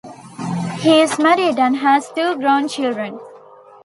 He is married and has two grown children.